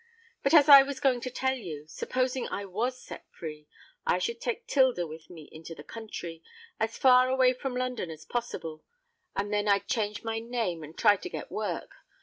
But, as I was going to tell you—supposing I was set free, I would take 'Tilda with me into the country—as far away from London as possible; and then I'd change my name, and try to get work.